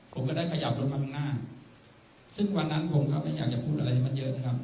ผมก็ได้ขยับรถมาข้างหน้าซึ่งวันนั้นผมก็ไม่อยากจะพูดอะไรมันเยอะนะครับ